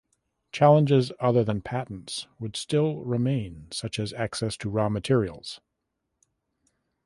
Challenges other than patents would still remain such as access to raw materials.